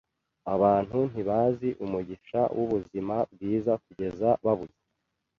Abantu ntibazi umugisha wubuzima bwiza kugeza babuze.